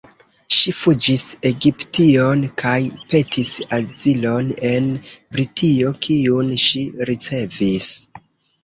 Ŝi fuĝis Egiption kaj petis azilon en Britio, kiun ŝi ricevis.